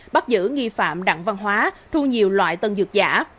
bắt giữ nghi phạm đặng văn hóa thu nhiều loại tân dược giả